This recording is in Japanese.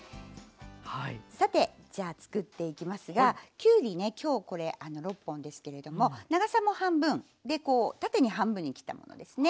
さてじゃあ作っていきますがきゅうりね今日これ６本ですけれども長さも半分でこう縦に半分に切ったものですね。